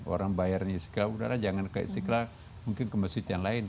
orang bayar istiqlal udara jangan ke istiqlal mungkin ke masjid yang lain